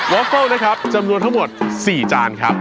อฟเฟิลนะครับจำนวนทั้งหมด๔จานครับ